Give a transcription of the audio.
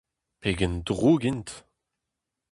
Pegen drouk int !